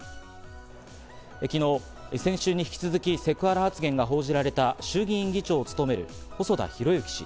昨日、先週に引き続きセクハラ発言が報じられた衆議院議長を務める細田博之氏。